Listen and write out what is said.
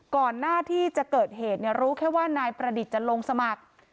ก่อนหน้าที่จะเกิดเหตุรู้แค่ว่านายประดิษฐ์จะลงสมัคร